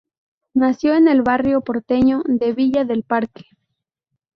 Nació en el barrio porteño de Villa del Parque.